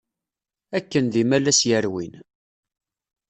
Akken d imalas yerwin!